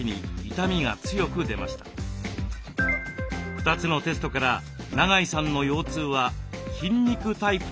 ２つのテストから長井さんの腰痛は筋肉タイプと分かりました。